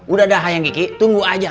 udah dah ayang kiki tunggu aja